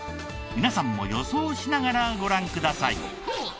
皆さんも予想しながらご覧ください。